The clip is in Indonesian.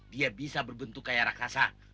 dia bisa berbentuk kayak raksasa